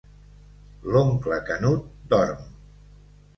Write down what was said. L'oncle Canut dorm.